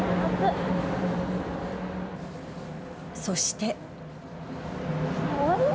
そして。